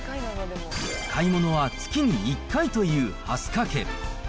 買い物は月に１回という蓮香家。